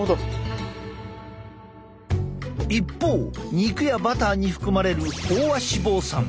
一方肉やバターに含まれる飽和脂肪酸。